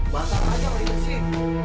banyak aja orang disini